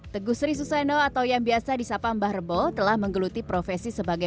teguh sri suseno atau yang biasa disapa mbah rebo telah menggeluti profesi sebagai